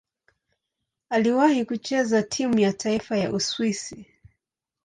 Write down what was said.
Aliwahi kucheza timu ya taifa ya Uswisi.